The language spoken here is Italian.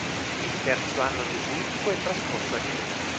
Il Terzo Anno gesuitico è trascorso a Vienna.